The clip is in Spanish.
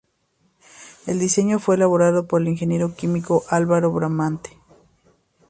El diseño fue elaborado por el Ing. Químico Álvaro Bramante.